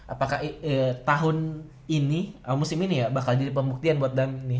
apakah tahun ini musim ini ya bakal jadi pembuktian buat dan nih